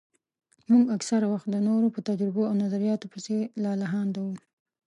موږ اکثره وخت د نورو په تجربو او نظرياتو پسې لالهانده وو.